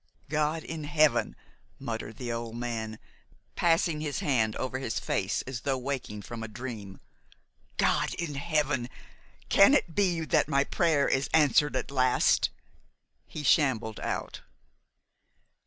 "God in heaven!" muttered the old man, passing a hand over his face as though waking from a dream, "God in heaven! can it be that my prayer is answered at last?" He shambled out.